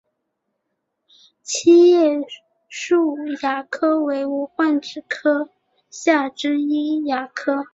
七叶树亚科为无患子科下之一亚科。